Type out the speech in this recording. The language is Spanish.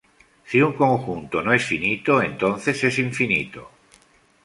Si un conjunto no es finito, entonces es infinito.